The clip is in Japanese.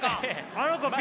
あの子Ｂ。